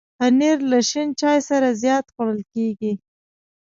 پنېر له شین چای سره زیات خوړل کېږي.